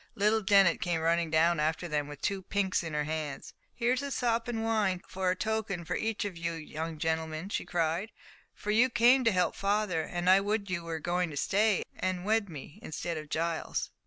Little Dennet came running down after them with two pinks in her hands. "Here's a sop in wine for a token for each of you young gentlemen," she cried, "for you came to help father, and I would you were going to stay and wed me instead of Giles."